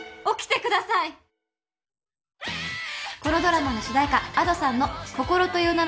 起きてください。